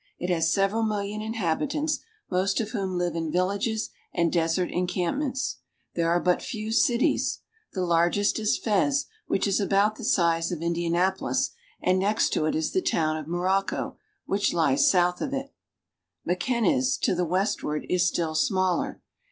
It has several million inhabitants, most of whom live in villages and desert en campments. There are but few cities. The largest is Fez, which is about the size of Indianapolis, and next to it is the town of Morocco, which lies south of it. Mekinez (mgk'I nez), to the westward, is still smaller.